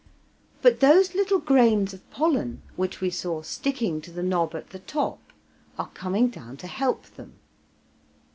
But those little grains of pollen, which we saw sticking to the knob at the top, are coming down to help them.